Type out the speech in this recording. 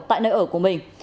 tại nơi ở của mình